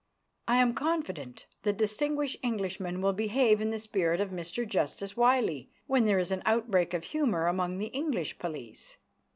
I am confident that distinguished Englishmen will behave in the spirit of Mr Justice Wylie, when there is an outbreak of humour among the English police.